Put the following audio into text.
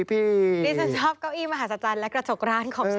นี่ฉันชอบเก้าอี้มหาศจรรย์และกระจกร้านของฉัน